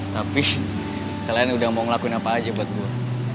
tapi kalian udah mau ngelakuin apa aja buat gue